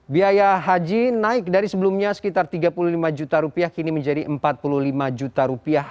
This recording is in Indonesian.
biaya haji naik dari sebelumnya sekitar tiga puluh lima juta rupiah kini menjadi empat puluh lima juta rupiah